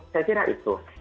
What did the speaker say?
saya kira itu